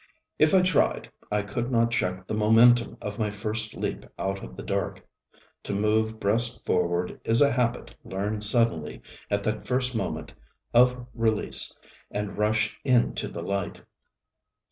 If I tried, I could not check the momentum of my first leap out of the dark; to move breast forward is a habit learned suddenly at that first moment of release and rush into the light.